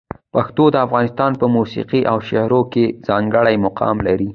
پښتو د افغانستان په موسیقي او شعر کې ځانګړی مقام لري.